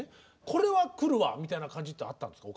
これは来るわみたいな感じってあったんですか？